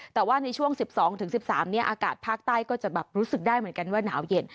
แต่ว่าในช่วง๑๒๑๓อากาศภาคใต้ก็จะแบบรู้สึกได้เหมือนกันว่าหนาวเย็น